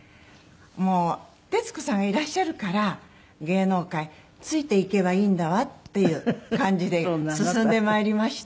もう徹子さんがいらっしゃるから芸能界ついていけばいいんだわっていう感じで進んでまいりました。